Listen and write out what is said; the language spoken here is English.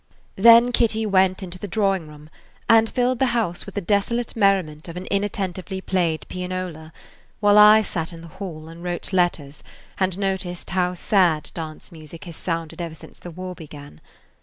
Then Kitty went into the drawing room and filled the house with the desolate merriment of an inattentively played pianola, while I sat in the hall and wrote letters and noticed how sad dance music has sounded ever since the war began.